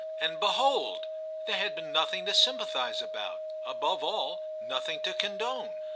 And behold ! there had been no thing to sympathise about ; above all, nothing to condone.